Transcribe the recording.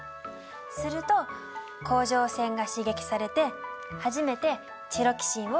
すると甲状腺が刺激されて初めてチロキシンを分泌する。